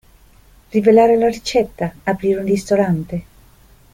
Rivelare la ricetta, aprire un ristorante.